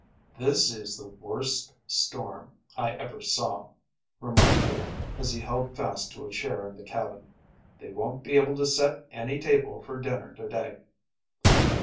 "This is the worse storm I ever saw," remarked Dick, as he held fast to a chair in the cabin. "They won't be able to set any table for dinner today."